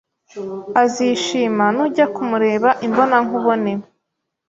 Azishima nujya kumureba imbonankubone